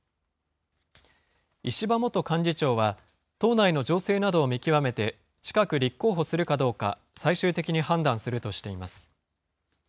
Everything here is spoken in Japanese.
石破元幹事長は、党内の情勢などを見極めて、近く立候補するかどうか最終的に判断するとしています。